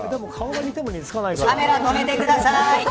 でも顔が似ても似つかないから。